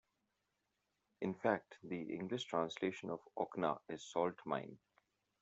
In fact the English translation of Ocna is salt mine.